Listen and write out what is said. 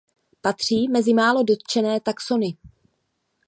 Patří mezi málo dotčené taxony.